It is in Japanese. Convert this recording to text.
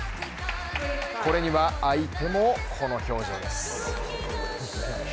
これには相手もこの表情です。